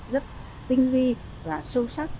rất tinh vi và sâu sắc